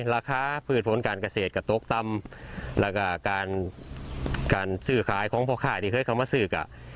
ราคาพืชผลการเกษตรก็ตกต่ำแล้วก็การซื้อขายของพ่อค่ายที่เคยเข้ามาซื้อกับ